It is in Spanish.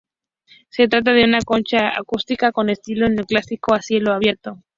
Se trata de una concha acústica con estilo neoclásico a cielo abierto.